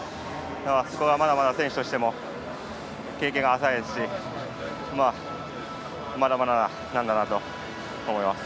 そこが、まだまだ選手としても経験が浅いですしまだまだなんだなと思います。